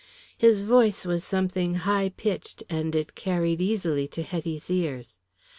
His voice was something high pitched and it carried easily to Hetty's ears.